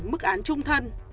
mức án trung thân